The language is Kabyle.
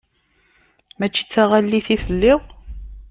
Mačči d taɣallit i telliḍ?